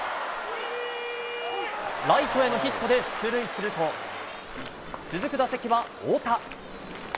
ライトへのヒットで出塁すると、続く打席は、太田。